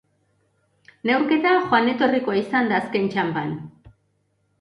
Neurketa joan-etorrikoa izan da azken txanpan.